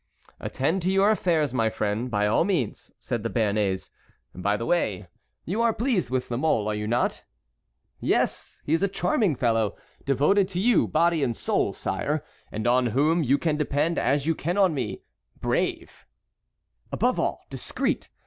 "Attend to your affairs, my friend, by all means," said the Béarnais. "By the way, you are pleased with La Mole, are you not?" "Yes; he is a charming fellow, devoted to you body and soul, sire, and on whom you can depend as you can on me—brave"— "And above all, discreet.